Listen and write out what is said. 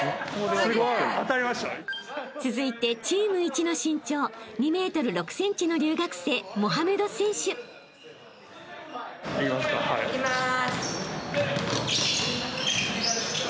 ［続いてチームいちの身長２ｍ６ｃｍの留学生］いきます。